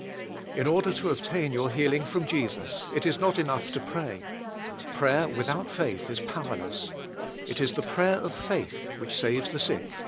In order to Obtain your healing from Jesus it is' not enough to pray. Prayer without faith is 40 UJVlfl*: ILISALIHG. powerless. !i is "the prayer of fa i til " which saves tin' sick